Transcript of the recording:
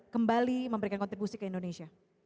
kembali memberikan kontribusi ke indonesia